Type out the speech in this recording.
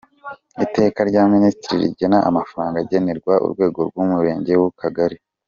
Iteka rya Minisitiri rigena amafaranga agenerwa urwego rw’Umurenge n’urw’Akagari;.